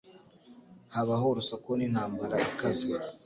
Habaho urusaku n'intambara ikaze.